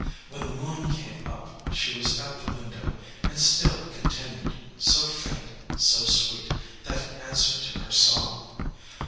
When the moon came up she was at the window, and still it continued, so faint, so sweet, that answer to her song.